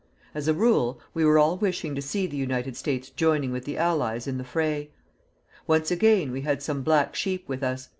As a rule, we were all wishing to see the United States joining with the Allies in the fray. Once again, we had some black sheep with us.